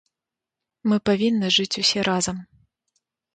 Мы павінны жыць усе разам.